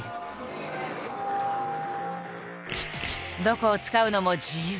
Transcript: どこを使うのも自由。